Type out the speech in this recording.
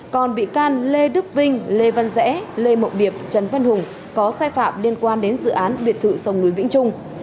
còn bị can lê đức vinh lê văn rẽ lê mộng điệp trần văn hùng có sai phạm liên quan đến dự án biệt thự sông núi vĩnh trung